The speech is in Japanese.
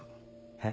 え？